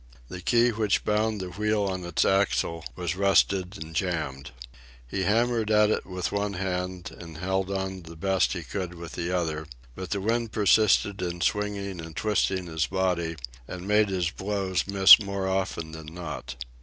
The key which bound the wheel on its axle was rusted and jammed. He hammered at it with one hand and held on the best he could with the other, but the wind persisted in swinging and twisting his body, and made his blows miss more often than not.